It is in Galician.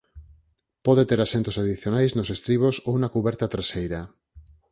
Pode ter asentos adicionais nos estribos ou na cuberta traseira".